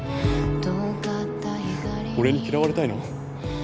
俺に嫌われたいの？